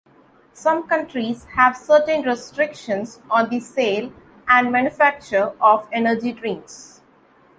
Some countries have certain restrictions on the sale and manufacture of energy drinks.